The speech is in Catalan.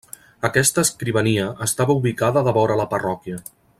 Aquesta escrivania estava ubicada devora la parròquia.